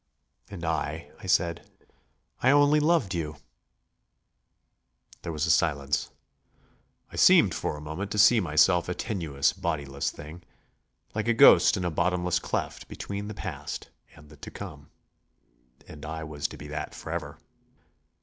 "And I ..." I said, "I only loved you." There was a silence. I seemed for a moment to see myself a tenuous, bodiless thing, like a ghost in a bottomless cleft between the past and the to come. And I was to be that forever.